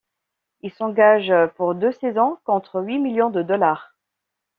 Il s'engage pour deux saisons contre huit millions de dollars.